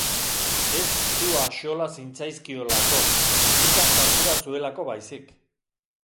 Ez zu axola zintzaizkiolako, nitaz ardura zuelako baizik.